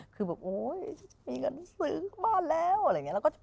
คือแบบโอ๊ยมีเงินซื้อบ้านแล้วอะไรอย่างนี้